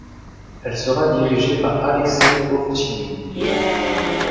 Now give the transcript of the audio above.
Elle sera dirigée par Alekseï Ovtchinine.